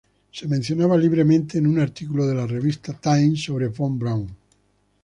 Se mencionaba libremente en un artículo de la revista Time sobre Von Braun.